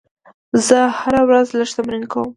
زه هره ورځ لږ تمرین کوم.